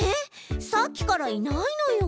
さっきからいないのよ。